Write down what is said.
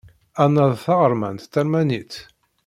Hannah d taɣermant talmanit.